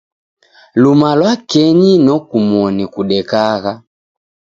Lumalwakenyi nokumoni kudekagha